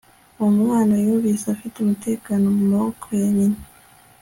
Uwo mwana yumvise afite umutekano mu maboko ya nyina